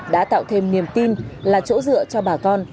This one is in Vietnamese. đã tạo thêm niềm tin là chỗ dựa cho bà con